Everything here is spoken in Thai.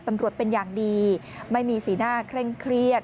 ตำรวจเป็นอย่างดีไม่มีสีหน้าเคร่งเครียด